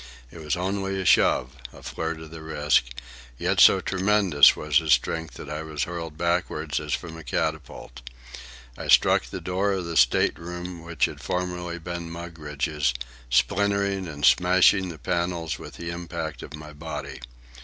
It was only a shove, a flirt of the wrist, yet so tremendous was his strength that I was hurled backward as from a catapult. I struck the door of the state room which had formerly been Mugridge's, splintering and smashing the panels with the impact of my body.